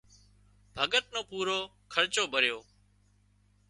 ڀڳت نو پورُو خرچو ڀريو